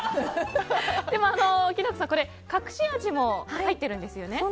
きな子さん、隠し味も入ってるんですよね。